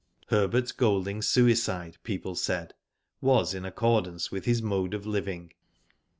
Herbert Golding's . suicide people said was in accordance with his mode of living.